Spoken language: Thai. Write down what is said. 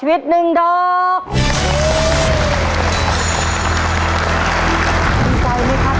เฮ้ย